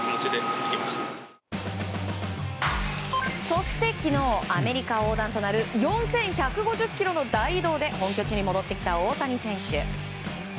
そして昨日アメリカ横断となる４１５０ｋｍの大移動で本拠地に戻ってきた大谷選手。